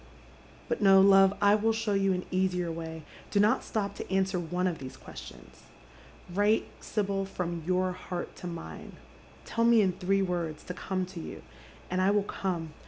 But no, love, I will show you an easier vf«y« Do not stop to answer one of these questions. " Write, Sibyl, from your heart to mine. Tell me in three words to come to you, and I will come.